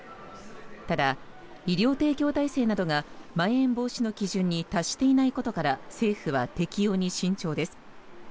ただ、医療提供体制などがまん延防止の基準に達していないことから政府は適用に慎重です。